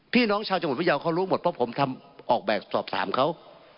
พี่น้องชาวจังหวัดพยาวเขารู้หมดเพราะผมออกแบบสอบถามเขา